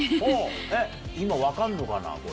今分かんのかな？